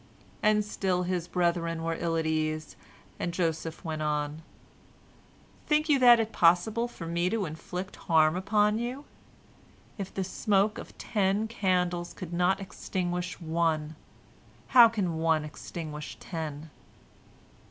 "And still his brethren were ill at case, and Joseph went on, "Think you that it is possible for me to inflict harm upon you? If the smoke of ten candles could not extinguish one, how can one extinguish ten?"